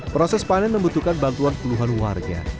proses panen membutuhkan bantuan puluhan warga